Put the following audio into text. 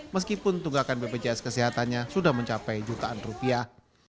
meskipun tunggakan bpjs kesehatannya sudah mencapai jutaan rupiah